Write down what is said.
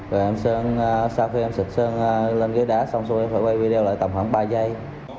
rồi em sơn sau khi em xịt sơn lên ghế đá xong rồi em phải quay video lại tầm khoảng ba giây